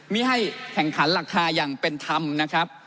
ไม่ให้แข่งขันราคาอย่างเป็นธรรมนะครับ